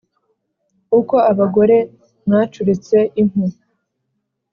Uko abagore mwacuritse impu,